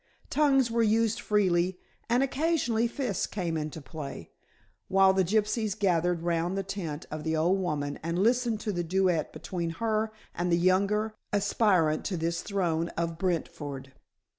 Tongues were used freely, and occasionally fists came into play, while the gypsies gathered round the tent of the old woman and listened to the duet between her and the younger aspirant to this throne of Brentford.